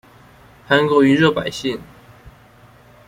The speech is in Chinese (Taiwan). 韓國魚肉百姓